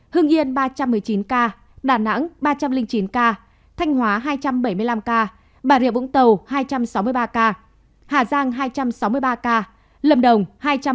hương yên ba trăm một mươi chín ca đà nẵng ba trăm linh chín ca thanh hóa hai trăm bảy mươi năm ca bà rịa vũng tàu hai trăm sáu mươi ba ca hà giang hai trăm sáu mươi ba ca lâm đồng hai trăm bốn mươi năm ca